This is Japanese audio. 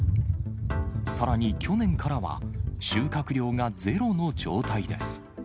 さらに去年からは、収穫量がゼロの状態です。